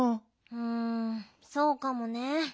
うんそうかもね。